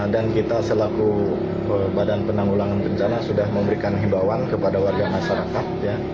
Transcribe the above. dan kita selaku badan penanggulangan bencana sudah memberikan himbawan kepada warga masyarakat